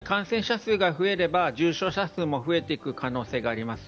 確かに感染者数が増えれば重症者数も増えていく可能性があります。